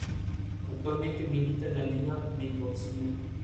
En la última se presenta la ambientación de una casa tradicional.